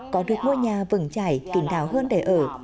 có được ngôi nhà vững chảy kỳ đáo hơn để ở